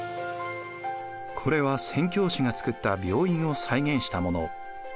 これは宣教師が作った病院を再現したもの。